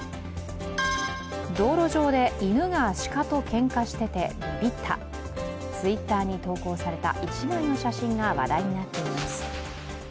道路上で犬が鹿とけんかしててびびった、Ｔｗｉｔｔｅｒに投稿された１枚の写真が話題になっています。